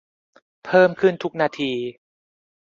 เพิ่มขึ้นทุกนาที